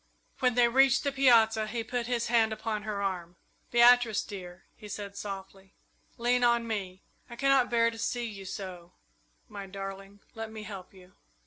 When they reached the piazza he put his hand upon her arm. "Beatrice, dear," he said, softly, "lean on me. I cannot bear to see you so my darling, let me help you!"